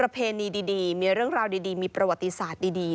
เพณีดีมีเรื่องราวดีมีประวัติศาสตร์ดี